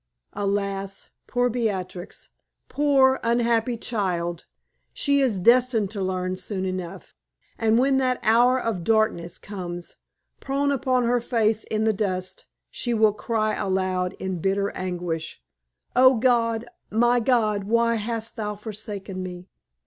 Alas! poor Beatrix poor, unhappy child she is destined to learn soon enough; and when that hour of darkness comes, prone upon her face in the dust, she will cry aloud in bitter anguish, "Oh, God! my God! why hast Thou forsaken me?"